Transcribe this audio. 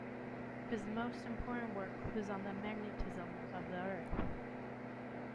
His most important work was on the magnetism of the Earth.